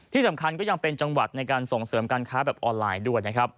ที่สำคัญก็ยังเป็นจังหวัดในการส่งเสริมการค้าแบบออนไลน์ด้วยนะครับ